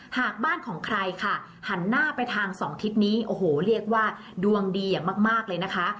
หากบ้านของใครหันหน้าไปทางสองทฤษนี้โอ้โหเดียวว่าดรวงดีมากเลยนะคะ